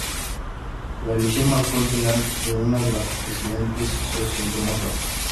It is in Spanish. La elección marcó el final de una era de presidentes socialdemócratas.